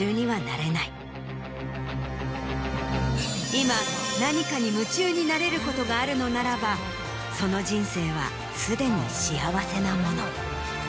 今何かに夢中になれることがあるのならばその人生はすでに幸せなもの。